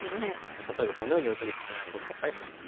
例えばこのように追いかけていくとどうですか安田さん。